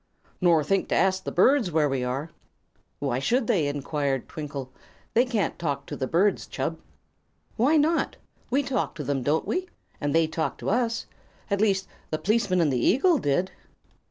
"Nor think to ask the birds where we are." "Why should they?" enquired Twinkle. "They can't talk to the birds, Chub." "Why not? We talk to them, don't we? And they talk to us. At least, the p'liceman and the eagle did."